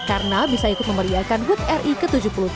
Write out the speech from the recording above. karena bisa ikut memeriakan hood ri ke tujuh puluh tiga